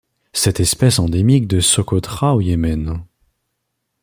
Cette espèce endémique de Socotra au Yémen.